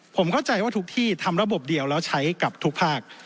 ผมเข้าใจว่าทุกที่ทำระบบเดียวแล้วใช้กับทุกภาค